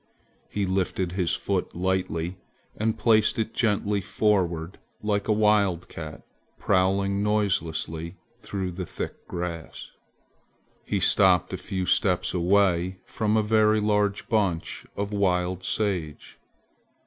He lifted his foot lightly and placed it gently forward like a wildcat prowling noiselessly through the thick grass. He stopped a few steps away from a very large bunch of wild sage.